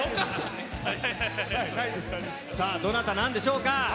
どなたなんでしょうか。